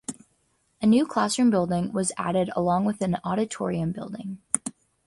A new classroom building was added along with an auditorium building.